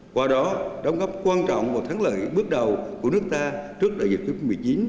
qua đó đóng góp quan trọng và thắng lợi bước đầu của nước ta trước đại dịch covid một mươi chín